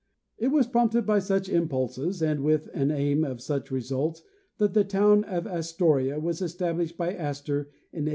It was prompted by such impulses and with an aim to such results that the town of Astoria was established by Astor in 1811.